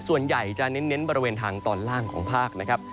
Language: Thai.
ส่วนใหญ่จะเน้นบริเวณทางตอนล่างของภาคนะครับ